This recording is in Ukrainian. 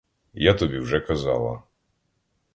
Я тобі вже казала.